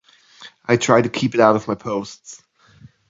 I try to keep it out of my posts.